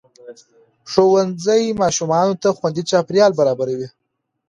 ښوونځی ماشومانو ته خوندي چاپېریال برابروي